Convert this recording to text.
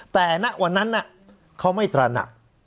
แต่ณวันนั้นเขาไม่ตระหนัก